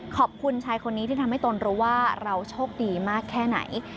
ขอบคุณชายคนนี้ที่ทำให้ตนรู้ว่าเราโชคดีมากแค่ไหน